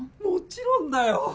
もちろんだよ。